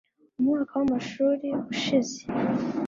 Umwaka wamashuri ushize